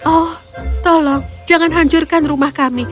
oh tolong jangan hancurkan rumah kami